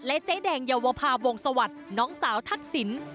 และใจแดงเยาวภาว์งสวรรค์น้องสาวทักศิลป์